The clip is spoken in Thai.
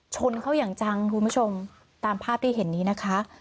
ชนเขาอย่างจังคุณผู้ชมตามภาพที่เห็นนี้นะคะ